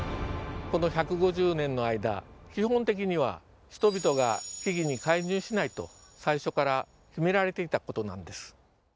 この１５０年の間基本的には人々が木々に介入しないと最初から決められていたことなんです。